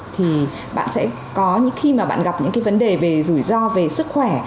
thì khi mà bạn gặp những vấn đề về rủi ro về sức khỏe